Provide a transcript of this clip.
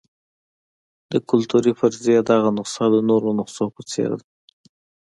د کلتوري فرضیې دغه نسخه د نورو نسخو په څېر ده.